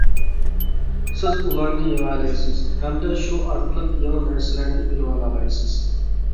سىز ئۇلارنى يېڭەلەيسىز، ھەمدە شۇ ئارقىلىق يېڭى نەرسىلەرنى ئۆگىنىۋالالايسىز.